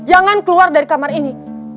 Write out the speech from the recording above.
jangan keluar dari kamar ini